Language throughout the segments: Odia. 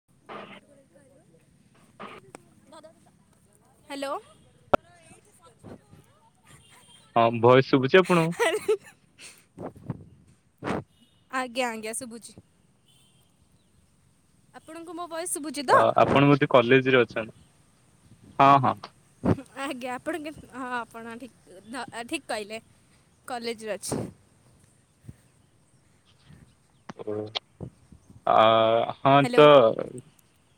[unintelligible] ହ୍ୟାଲୋ। ହଁ ଭୟ ଶୁଭୁଛି ଆପଣଙ୍କୁ? ଆଜ୍ଞା ଆଜ୍ଞା ସୁବୁଛି। ଆପଣଙ୍କୁ ମୋ ବୟସ ସୁବୁ ଅ ଆପଣ ମତେ କଲେଜରେ ଅଛନ୍ତି ହଁ ହଁ। ଆଜ୍ଞା ଆପଣଙ୍କ ହଁ ଆପଣ ଠିକ୍ ଠିକ୍ କହିଲେ କଲେଜରେ ଅଛି। ଓ ଆ ହଁ ହ୍ୟାଲୋ ତ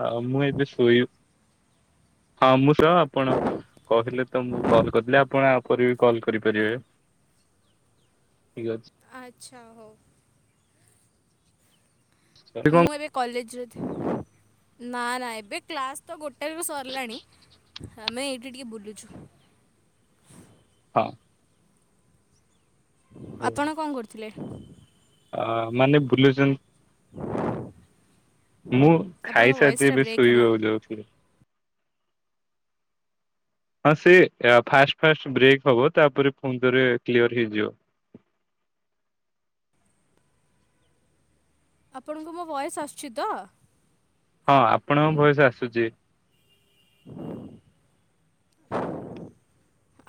ହଁ ମୁଁ ଏବେ ଶୋଇବ ହଁ ମୁଁ ସହ ଆପଣ କହିଲେ ତ ମୁଁ କଲ୍ କରିଥିଲି ଆପଣ ଆପରେ ବି କଲ୍ କରିପାରିବେ। ଠିକ ଅଛି। ଆଚ୍ଛା ହଉ। ଅଛି କଣ ମୁଁ ଏବେ କଲେଜରେ ଥିବି। ନା ନା ଏବେ କ୍ଲାସ୍ ତ ଗୋଟେ ବି ସରିଲାଣି ଆମେ ଏଇଠି ଟିକେ ବୁଲୁଛୁ। ହଁ। ଆପଣ କଣ କରୁଥିଲେ? ଅ ମାନେ ବୁଲୁଛନ୍ତି ମୁଁ ଆପଣଙ୍କ ଖାଇସାରିଛି ଭଏସ୍ଟା ଏବେ ବ୍ରେକ୍ ହେଲା ଶୋଇବାକୁ ଯାଉଥିଲି। ହଁ ସେ ଫାଷ୍ଟ ଫାଷ୍ଟ ବ୍ରେକ୍ ହବ ତାପରେ ଫୁଣିଥରେ କ୍ଲିୟର ହେଇଯିବ। ଆପଣଙ୍କୁ ମୋ ବଏସ ଆସୁଛି ତ? ହଁ ଆପଣଙ୍କ ଭୟସ ଆସୁଛି।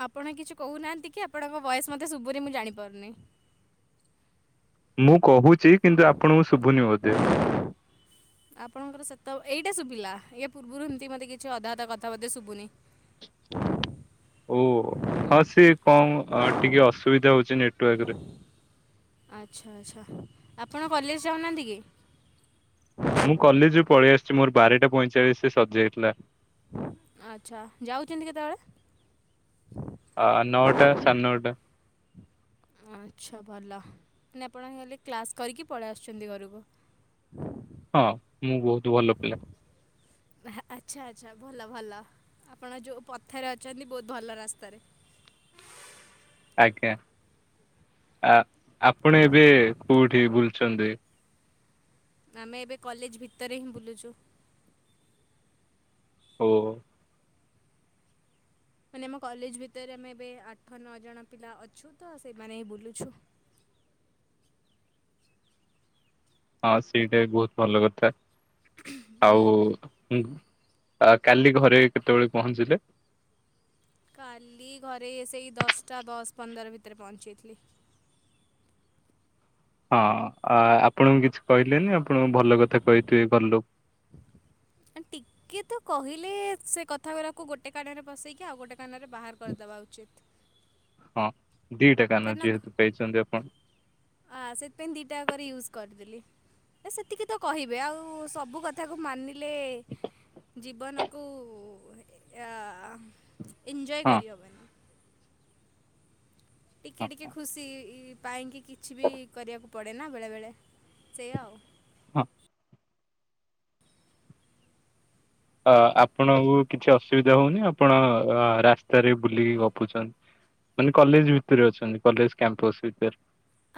ଆପଣ କିଛି କହୁନାହାନ୍ତି କି ଆପଣଙ୍କ ବୟସ ମତେ ସୁବୁନୀ ମୁଁ ଜାଣିପାରୁନି। ମୁଁ କହୁଛି କିନ୍ତୁ ଆପଣଙ୍କୁ ଶୁଭୁନି ବୋଧେ? ଆପଣଙ୍କର ସେତ ଏଇଟା ଶୁଭିଲା ଇ ପୂର୍ବରୁ ଏମିତି ମତେ କିଛି ଅଧା ଅଧା କଥା ଶୁଭୁନି। ଓ ହଁ ସିଏ କଣ ଟିକେ ଅସୁବିଧା ହଉଛି ନେଟୱାର୍କ ରେ। ଆଚ୍ଛା ଆଚ୍ଛା ଆପଣ କଲେଜ ଯାଉନାହାନ୍ତି କି? ମୁଁ କଲେଜରୁୁ ପଳେଇ ଆସିଛି ମୋର ବାରଟା ପଇଁଚାଳିଶ ସରିଯାଇଥିଲା। ଆଚ୍ଛା ଯାଉଛନ୍ତି କେତେବେଳେ? ଆ ନଅଟା ସାନଟା। ଆଚ୍ଛା ଭଲ ମ ଆପଣ ହେଲେ କ୍ଲାସ୍ କରିକି ପଳେଇ ଆସୁଛନ୍ତି ଘରକୁ? ହଁ ମୁଁ ବହୁତ ଭଲ ପିଲା। ଆଚ୍ଛା ଆଚ୍ଛା ଭଲ ଭଲ ଆପଣ ଯେଉଁ ପଥରେ ଅଛନ୍ତି ବହୁତ ଭଲ ରାସ୍ତାରେ। ଆଜ୍ଞା ଆ ଆପଣ ଏବେ କୋଉଠି ବୁଲୁଛନ୍ତି? ଆମେ ଏବେ କଲେଜ ଭିତରେ ହିଁ ବୁଲୁଛୁ। ହଉ। ମାନେ ଆମ କଲେଜ ଭିତରେ ଆମେ ଏବେ ଆଠ ନଅ ଜଣ ପିଲା ଅଛୁ ତ ସେମାନେ ହିଁ ବୁଲୁଛୁ। ହଁ ସେଇଟା ବହୁତ ଭଲ କଥା ଆଉ। କାଲି ଘରେ କେତେବେଳେ ପହଞ୍ଚିଲେ? କାଲି ଘରେ ସେଇ ଦଶଟା ଦଶ ପନ୍ଦର ଭିତରେ ପହଞ୍ଚିଥିଲି। ହଁ ଆପଣଙ୍କୁ କିଛି କହିଲେନି ଆପଣ ଭଲ କଥା କହିଥିବେ ଭଲଲ ଆ ଟିକିଏ ତ କହିଲେ ସେ କଥା ଗୁଡ଼ାକୁ ଗୋଟେ କାନରେ ବସେଇକି ଆଉ ଗୋଟେ କାନ ରେ ବାହାର କରିଦେବା ଉଚିତ୍। ହଁ ଦିଟା କାନ ଯେହେତୁ ପାଇଛନ୍ତି ଆପଣ। ଆଁ ସେଥିପାଇଁ ଦିଟା କରିରେ ୟୁଜ୍ କରିଦେଲି ସେତିକି ତ କହିବେ ଆଉ ସବୁ କଥା କଥାକୁ ମାନିଲେ ଜୀବନକୁ ଏନ୍ଜୋୟ ହଁ କରି ହେବନି ହଁ ଟିକିଏ ଟିକିଏ ହଁ। ଖୁସି ପାଇଁକି କିଛି ବି କରିବାକୁ ପଡ଼େନା ବେଳେବେଳେ ସେଇ ଆଉ। ହଁ। ଅ ଆପଣଙ୍କୁ କିଛି ଅସୁବିଧା ହଉନି ଆପଣ ଅ ରାସ୍ତାରେ ବୁଲିକି ଗପୁଛନ୍ତି। ମାନେ କଲେଜ ଭିତରେ ଅଛନ୍ତି କଲେଜ କ୍ୟାମ୍ପସ ଭିତରେ।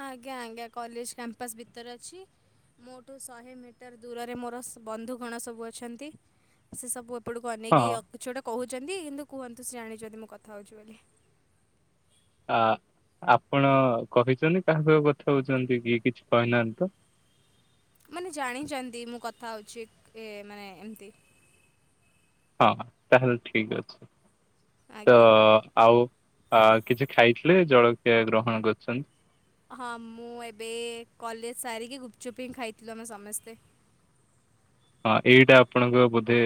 ଆଜ୍ଞା ଆଜ୍ଞା କଲେଜ କ୍ୟାମ୍ପସ୍ ଭିତରେ ଅଛି। ମୋଠୁ ଶହେ ମିଟର ଦୂରରେ ମୋର ବନ୍ଧୁଗଣ ସବୁ ଅଛନ୍ତି ସେ ସବୁ ଆପଣଙ୍କୁ ଅନେକି ହଁ କିଛି ଗୋଟେ କହୁଛନ୍ତି କିନ୍ତୁ କୁହନ୍ତୁ ସେ ଜଣିଛନ୍ତି ମୁଁ କଥା ହଉଛି ବୋଲି। ଆ ଆପଣ କହିଛନ୍ତି କାହାକୁ କଥା ହଉଛନ୍ତି କିଏ କିଛି କହିନାହାନ୍ତି ତ। ମାନେ ଜାଣିଛନ୍ତି ମୁଁ କଥା ହଉଛି ଏ ମାନେ ଏମତି ହଁ ତାହଲେ ଠିକ ଅଛି ତ ଆଜ୍ଞା ଆଉ ଆ କିଛି ଖାଇଥିଲେ ଜଳଖିଆ ଗ୍ରହଣ କରୁଛନ୍ତି। ହଁ ମୁଁ ଏବେ କଲେଜ ସାରିକି ଗୁପଚୁପ୍ ହିଁ ଖାଇଥିଲୁ ଆମେ ସମସ୍ତେ। ହଁ ଏଇଟା ଆପଣଙ୍କ ବୋଧେ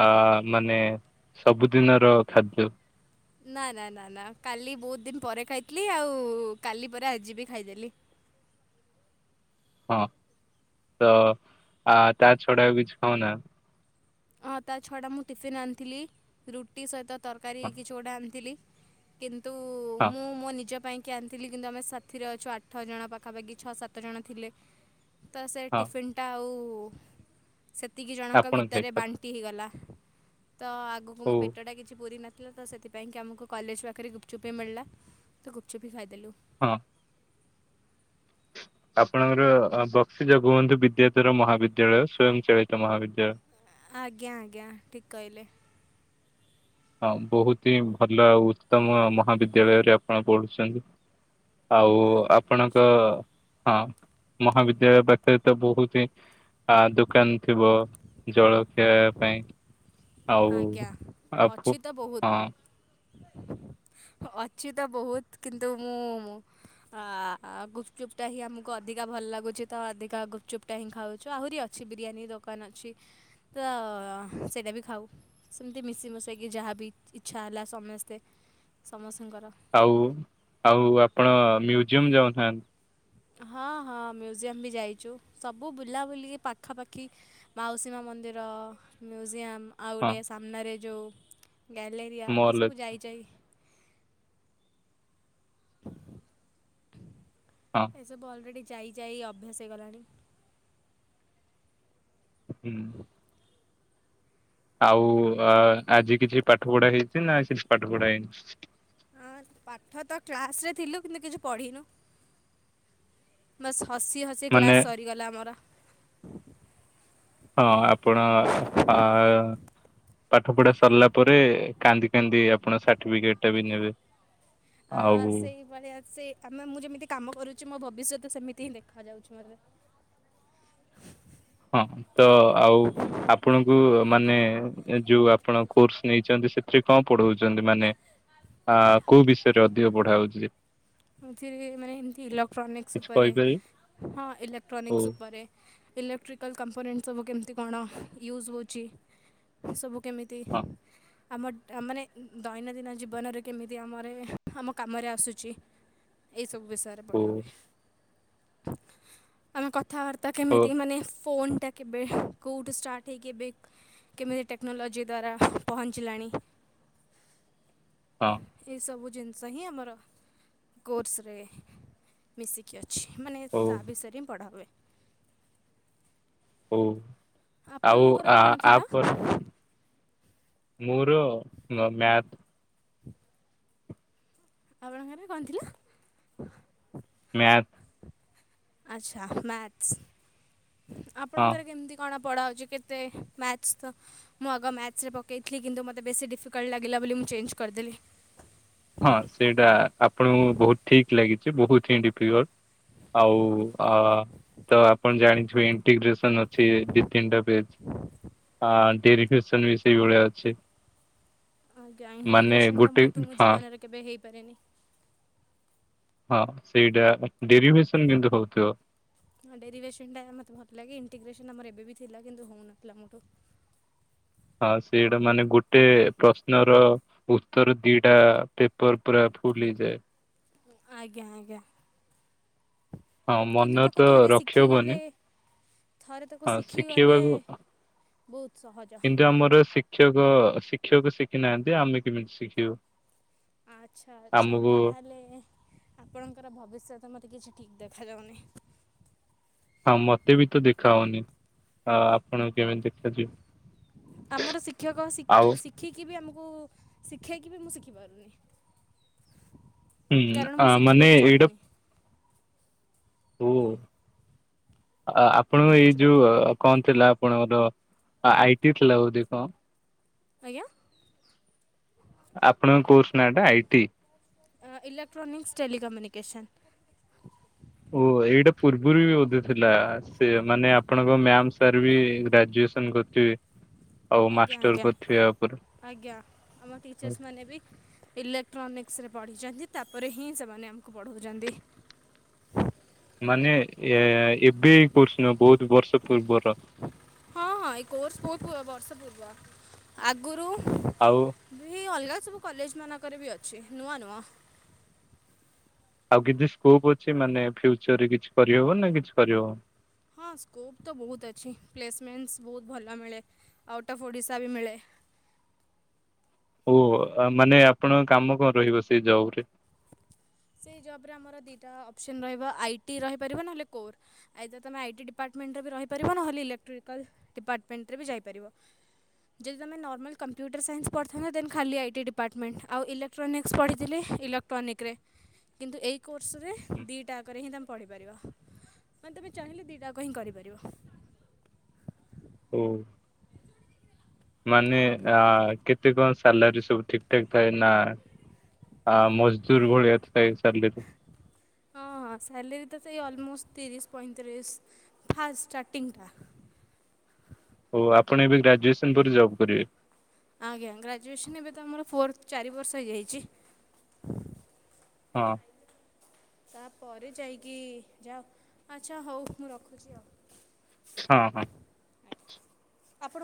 ଆ ମାନେ ସବୁଦିନର ଖାଦ୍ୟ। ନା ନା ନା ନା କାଲି ବହୁତ ଦିନ ପରେ ଖାଇଥିଲି ଆଉ କାଲି ପରେ ଆଜି ବି ଖାଇଦେଲି। ହଁ ତ ଆ ତା ଛଡା ବିଛି ଖାଉନା। ହଁ ତା ଛୁଆଟା ମୁଁ ଟିଫିନ୍ ଆଣିଥିଲି ରୁଟି ସହିତ ତରକାରୀ ହଁ କିଛି ଗୋଟେ ଆଣିଥିଲି। କିନ୍ତୁ ହଁ ମୁଁ ମୋ ନିଜ ପାଇଁ କି ଆଣିଥିଲି କିନ୍ତୁ ଆମେ ସାଥିରେ ଅଛୁ ଆଠ ଜଣ ପାଖାପାଖି ଛଅ ସାତ ଜଣ ଥିଲେ। ତ ସେ ହଁ ଟିଫିନ୍ଟା ଆଉ ସେତିକି ଜଣଙ୍କ ଆପଣ ଭିତରେ ଖାଇପାର ବାଣ୍ ଟି ହେଇଗଲା ତ ଆଗକୁ ଓ ମୋ ପେଟ ଟା କିଛି ପୁରି ନ ଥିଲା ତ ସେଥିପାଇଁକି ଆମକୁ କଲେଜ ପାଖରେ ଗୁପଚୁପି ମିଳିଲା ତ ଗୁପଚୁପି ଖାଇଦେଲୁ। ହଁ। ଆପଣଙ୍କର ବକ୍ସି ଜଗବନ୍ଧୁ ବିଦ୍ୟାଧର ମହାବିଦ୍ୟାଳୟ ସ୍ଵୟଂଚାଳିତ ମହାବିଦ୍ୟାଳୟ। ଆଜ୍ଞା ଆଜ୍ଞା ଠିକ କହିଲେ। ହଁ ବହୁତ ହିଁ ଭଲ ଆଉ ଉତ୍ତମ ମହାବିଦ୍ୟାଳୟରେ ଆପଣ ପଢୁଛନ୍ତି। ଆଉ ଆ- ଆପଣଙ୍କ ହଁ ମହାବିଦ୍ୟାଳୟ ପାଖରେ ତ ବହୁତ ହିଁ। ଆ ଦୋକାନ ଥିବ ଜଳଖିଆବା ପାଇଁ ଆଉ ଆଜ୍ଞା ଆକୁ ଅଛି ତ ବହୁତ। [inaudible] ଅଛି ତ ବହୁତ କିନ୍ତୁ ମୁଁ ଅ ଗୁପଚୁପ୍ ଟା ହିଁ ଆମକୁ ଅଧିକା ଭଲ ଲାଗୁଛି ତ ଅଧିକା ଗୁପଚୁପ୍ ଟା ହିଁ ଖାଉଛୁ ଆହୁରି ଅଛି ବିରିୟାନୀ ଦୋକାନ ଅଛି ତ ସେଇଟା ବି ଖାଉ। ସେମିତି ମିଶିମଶାଇକି ଯାହା ବିି ଇଚ୍ଛା ହେଲା ସମସ୍ତେ ସମସ୍ତଙ୍କର ଆଉ ଆଉ ଆପଣ ମ୍ୟୁଜିୟମ ଯାଉନାହାନ୍ତି। ହଁ ହଁ ମ୍ୟୁଜିୟମ ବି ଯାଇଛୁ ସବୁ ବୁଲାବୁଲି ପାଖାପାଖି। ମାଉସୀମା ମନ୍ଦିର ମ୍ୟୁଜିୟମ୍। ଆଉ ହଁ ଗୋଟେ ସାମ୍ନାରେ ଯେଉଁ ଗ୍ୟାଲେରିଆ ମଲ ଏସବୁ ଅଛି ଯାଇଯାଇ। [inaudible] ହଁ ଏସବୁ ଅଲରେଡ଼ି ଯାଇ ଯାଇ ଅଭ୍ୟାସ ହେଇଗଲାଣି। ହୁଁ। ଆଉ ଅ ଆଜି କିଛି ପାଠ ପଢା ହେଇଛି ନା କିଛି ପାଠ ପଢା ହେଇନି। ହଁ ପାଠ ତ କ୍ଲାସ ରେ ଥିଲୁ କିନ୍ତୁ କିଛି ପଢିନୁ। ବାସ୍ ହସି ହସି ମାନେ କ୍ଳାସ ସରିଗଲା ଆମର। ହଁ ଆପଣ ହଁ। ପାଠ ପଢା ସରିଲା ପରେ କାନ୍ଦି କାନ୍ଦି ଆପଣ ସାର୍ଟିଫିକେଟ ଟା ବି ନେବେ। ଆ ଆଉ ସେଇଭଳିଆ ସେ ଆମେ ମୁଁ ଯେମିତି କାମ କରୁଛି। ମୋ ଭବିଷ୍ୟତ ସେମିତି ହିଁ ଦେଖା ଯାଉଛି ମୋତେ। ହଁ ତ ଆଉ ଆପଣଙ୍କୁ ମାନେ ଯୋଉ ଆପଣ କୋର୍ସ ନେଇଛନ୍ତି ସେଥିରେ କଣ ପଢଉଛନ୍ତି ମାନେ ଆ କୋଉ ବିଷୟରେ ଅଧିକ ପଢା ହଉଛି ଯେ? ଏଥିରେ ମାନେ ଏମିତି ଇଲେକ୍ଟ୍ରୋନିକ୍ସ କିଛି ଉପରେ କହିପାରିବେ ହଁ ଇଲେକ୍ଟ୍ରୋନିକ୍ସ ହଉ ଉପରେ। ଇଲେକ୍ଟ୍ରିକାଲ୍ କମ୍ପୋନେଣ୍ଟ ସବୁ କେମିତି କଣ ୟୁଜ୍ ହେଉଛି। ସବୁ କେମିତି। ଆମ ମାନେ ଦୈନନ୍ଦିନ ଜୀବନରେ କେମିତି ଆମର ଏ ଆମ କାମରେ ଆସୁଚି। ଏଇ ସବୁ ବିଷୟରେ ହଁ ପଢାହୁଏ। ଆମେ କଥ ଥାବାର୍ତ୍ତା ହଉ କେମିତି ମାନେ ଫୋନ୍ଟା କେବେ କୋଉଠୁ ଷ୍ଟାର୍ଟ ହେଇ କେବେ କେମିତି ଟେକ୍ନୋଲୋଜି ଦ୍ଵାରା ପହଞ୍ଚିଲାଣି। [inaudible] ହଉ ଏଇସବୁ ଜିନିଷ ହିଁ ଆମର କୋର୍ସରେ ମିଶିକି ଅଛି। ମାନେ ହଁ ହଉ ତା ବିଷୟରେ ହିଁ ପଢ଼ା ହୁଏ। ହୋଉ ଆଉ ଆପଣଙ୍କର ଆ କ'ଣ ଆ ଥିଲା ପରେ। ମୁର ମ ମ୍ୟାଥ। [inaudible] ଆପଣଙ୍କରେ କଣ ଥିଲା? ମ୍ୟାଥ୍। ଆଚ୍ଛା ମ୍ୟାଥସ୍ ହଁ ଆପଣଙ୍କର କେମିତି କଣ ପଢା ହଉଚି କେତେ ମ୍ୟାଥସ ତ ମୁଁ ଆଗ ମ୍ୟାଥସ ରେ ପକେଇଥିଲି, କିନ୍ତୁ ମୋତେ ବେଶୀ ଡିଫିକଲ୍ଟ ଲାଗିଲା ବୋଲି ମୁଁ ଚେଞ୍ଜ କରିଦେଲି। ହଁ ସେଇଟା ଆପଣଙ୍କୁ ବହୁତ ଠିକ ଲାଗିଚି ବହୁତ ହିଁ ଡିଫିକଲ୍ଟ। ଆଉ ଅ ତ ଆପଣ ଜାଣିଥିବେ ଇଣ୍ଟିଗ୍ରେସନ ଅଛି ଦି ତିନିଟା ପେଜ୍। ଆ ଡେରିଫିଶନ ବି ସେଇ ଭଳିଆ ଅଛି। ଆଜ୍ଞା ଇଣ୍ଟୀ ମାନେ ଗ୍ରେସନ ଟା ଗୋଟେ ମୋଠୁ ମୋ ହଁ ଜୀବନରେ କେବେ ହେଇପାରେନି। ହଁ ସେଇଟା ଡେରିଭେସନ କିନ୍ତୁ ହଉଥିବ। ଡେରିଭେସନ ଟା ମତେ ଭଲଲାଗେ। ଇଣ୍ଟିଗ୍ରେଶନ ଆମର ଏବେବି ଥିଲା କିନ୍ତୁ ହଉନଥିଲା ମୋଠୁ। ହଁ ସେଇଡା ମାନେ ଗୋଟେ ପ୍ରଶ୍ନର ଉତ୍ତର ଦିଟା ପେପର ପୁରା ଫୁଲ୍ ହେଇଯାଏ। ଆଜ୍ଞା ଆଜ୍ଞା। ହଁ କିନ୍ତୁ ମନ ତାକୁ ତ ଥରେ ରଖି ହବନି। ଶିଖିଗଲେ ଥରେ ତାକୁ ହଁ ଶିଖିଗଲେ ଶିଖେଇବାକୁ ବହୁତ ସହଜ କିନ୍ତୁ ଆମର ସିକ୍ ଶିକ୍ଷକ ଶିକ୍ଷକ ଶିଖିନାହାନ୍ତି ଆମେ କେମିତି ଶିଖିବୁ। ଆଚ୍ଛା ଆଚ୍ଛା ଆମକୁ ତାହଲେ ଆପଣଙ୍କର ଭବିଷ୍ୟତ ମତେ କିଛି ଠିକ ଦେଖାଯାଉନି। ହଁ ମତେ ବି ତ ଦେଖା ହଉନି ଆ ଆପଣ କେମିତି ଦେଖାଯିବ। ଆମର ଶିକ୍ଷକ ସିକ୍ ଆଉ ଶିକ୍ ଶିଖିକି ବି ଆମକୁ ଶିଖେଇକି ବି ମୁଁ ଶିଖିପାରୁନି। ହୁଁ କାରଣ ଆ ମୁଁ ମାନେ ଶିଖିବାକୁ ଏଇଟା ଚାହୁଁନି ଓ। ଅ ଏଇଟା ଆପଣଙ୍କ ଏଇ ହେଉଛି କଥା ଯୋଉ କଣ ଥିଲା ଆପଣଙ୍କର। ଆଇ ଟି ଥିଲା ବୋଧେ କି କଣ? ଆଜ୍ଞା? ଆପଣଙ୍କ କୋର୍ସ ନାଟା ଆଇ ଟି? ଅ ଇଲେକ୍ଟ୍ରାନିକ୍ସ ଟେଲିି କମ୍ୟୁନିକେସନ୍। ଓ ଏଇଟା ପୂର୍ବରୁ ବି ବୋଧେ ଥିଲା ସେ ମାନେ ଆପଣଙ୍କ ମ୍ୟାମ ସାର୍ ବି ଗ୍ରାଜୁଏସ୍ ନ କରିିଥିବେ ଆଉ ଆଜ୍ଞା ମାଷ୍ଟର ଆଜ୍ଞା କରିିଥିବେ ଆ ପରେ। ଆଜ୍ଞା ଆମ ଟିଚର୍ସ ମାନେ ବି ଇଲେକ୍ଟ୍ରୋନିକ୍ସ ରେ ପଢ଼ିଚନ୍ତି ତାପରେ ହିଁ ସେମାନେ ଆମକୁ ପଢଉଚନ୍ତି। ମାନେ ଏ ଏବେ ଏ କୋର୍ସ ନୁହଁ ବହୁତ ବର୍ଷ ପୂର୍ବର। ହଁ ଏଇ କୋର୍ସ ବହୁତ୍ ବର୍ଷ ପୂର୍ବ ଆଗରୁ ଆଉ ବି ଅଲଗା ସବୁ କଲେଜ ମାନଙ୍କରେ ବି ଅଛି ନୂଆ ନୁଅ। ଆଉ କିଛି ସ୍କୋପ୍ ଅଛି ମାନେ ଫ୍ୟୁଚରରେ କିଛି କରିହେବ ନା କିଛି କରିହବନି? ହଁ ସ୍କୋପ୍ ତ ବହୁତ ଅଛି ପ୍ଲେସମେଣ୍ଟସ୍ ବହୁତ ଭଲ ମିଳେ ଆଉଟ୍ ଅଫ୍ ଓଡ଼ିଶା ବି ମିଳେ। ଓହ ମାନେ ଆପଣଙ୍କ କାମ କଣ ରହିବ ସେଇ ଜବ ରେ? ସେଇ ଜବରେ ଆମର ଦିଇଟା ଅପସନ ରହିବ ଆଇ ଟି ରହିପାରିବ ନହେଲେ କୋର। ଆଇଦ ତମେ ଆଇଟି ଡିପାର୍ଟମେଣ୍ଟରେ ବି ରହିପାରିବ ନହେଲେ ଇଲେକ୍ଟ୍ରିକାଲ୍ ଡିପାର୍ଟମେଣ୍ଟରେ ବି ଯାଇପାରିବ। ଯଦି ତମେ ନର୍ମାଲ କମ୍ପ୍ୟୁଟର ସାଇନ୍ସ ପଢ଼ିଥାନ୍ତ ଦେନ୍ ଖାଲି ଆଇଟି ଡିପାର୍ମେଣ୍ଟ ଆଉ ଇଲେକ ଏକ୍ଟ୍ରୋନିକସ ପଢ଼ିଥିଲେ ଇଲକ୍ ଟନିକରେ କିନ୍ତୁ ଏଇ କୋର୍ସ ରେ ଦିଟା ଆକରେ ହିଁ ତମେ ପଢ଼ିପାରିବ। ମାନେ ତମେ ଚାହିଁଲେ ଦିଟାକ ହିଁ କରିପାରିବ। ଓ। ମାନେ ଆ କେତେ କଣ ସାଲାରୀ ସବୁ ଠିକ ଠାକ୍ ଥାଏ ନା ଆଁ ମଜଦୁର ଭଳିଆ ଥାଏ ସାଲେରି। ହଁଁ ସାଲେରୀ ତ ସେଇ ଅଲମୋଷ୍ଟ ତିରିଶ ପଇଁତିରିଶ ଫାଷ୍ଟ ଷ୍ଟାର୍ଟିଂଟା। ଓ ଆପଣ ଏବେ ଗ୍ରାଜୁଏସନ ପରେ ଜବ୍ କରିବେ। ଆଜ୍ଞା ଗ୍ରାଜୁଏସନ ଏବେ ତ ଆମର ଫୋର୍ଥ ଚାରି ବର୍ଷ ହେଇଯାଇଚି। ହଁ। ତାପରେ ଯାଇକି ଯାଆ ଆଚ୍ଛା ହଉ ମୁଁ ରଖୁଚି ଆଉ। ହଁ ହଁ। ଆପଣ